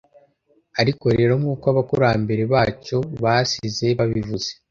ariko rero nk’uko abakurambere bacu basize babivuze